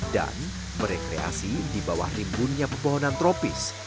dan merekreasi di bawah rimbunnya pebohonan tropis